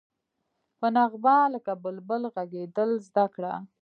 په نغمه لکه بلبل غږېدل زده کړه.